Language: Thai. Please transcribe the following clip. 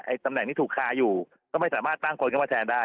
ตำแหน่งที่ถูกคาอยู่ก็ไม่สามารถตั้งคนเข้ามาแทนได้